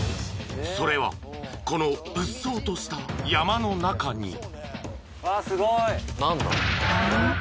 ［それはこのうっそうとした山の中に］